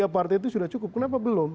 tiga partai itu sudah cukup kenapa belum